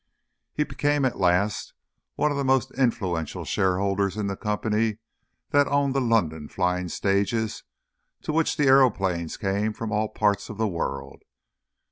He became at last one of the most influential shareholders in the company that owned the London flying stages to which the aëroplanes came from all parts of the world.